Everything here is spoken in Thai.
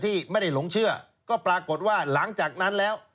ที่ไม่ได้หลงเชื่อก็ปรากฏว่าหลังจากนั้นแล้ว